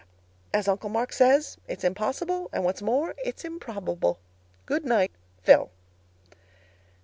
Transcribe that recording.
As Uncle Mark says, 'It's impossible, and what's more it's improbable.' "Good night, PHIL."